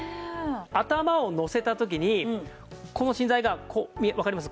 頭をのせた時にこの芯材がわかります？